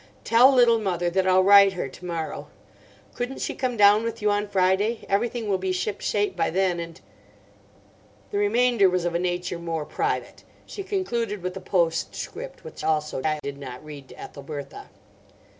Tell Little Mother that I'll write her to morrow. Couldn't she come down with you on Friday? Everything will be ship shape by then; and—" The remainder was of a nature more private. She concluded with a postscript, which also I did not read to Ethelbertha.